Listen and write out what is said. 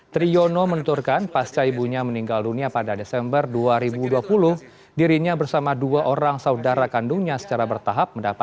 triyono menunturkan pasca ibunya meninggal dunia pada desember dua ribu dua puluh dirinya bersama dua orang saudara kandungnya secara bertahap